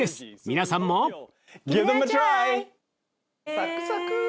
皆さんもサクサク。